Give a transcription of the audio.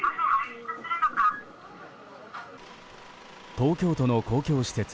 東京都の公共施設